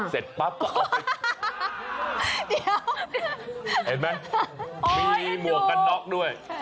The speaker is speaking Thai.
เสร็จปั๊บเดี๋ยวเห็นไหมมีหมวกกันน็อกด้วย